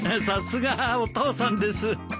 さすがお父さんです。